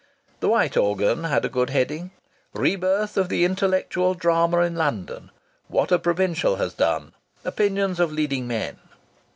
The white organ had a good heading: "Re birth of the intellectual drama in London. What a provincial has done. Opinions of leading men."